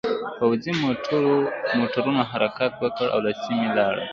پوځي موټرونو حرکت وکړ او له سیمې لاړل